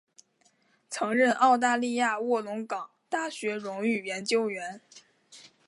曾任澳大利亚卧龙岗大学荣誉研究员。